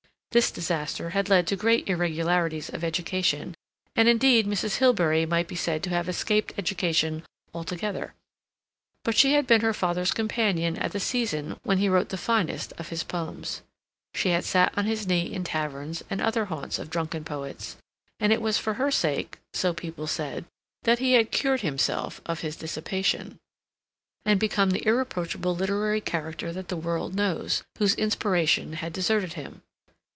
This disaster had led to great irregularities of education, and, indeed, Mrs. Hilbery might be said to have escaped education altogether. But she had been her father's companion at the season when he wrote the finest of his poems. She had sat on his knee in taverns and other haunts of drunken poets, and it was for her sake, so people said, that he had cured himself of his dissipation, and become the irreproachable literary character that the world knows, whose inspiration had deserted him.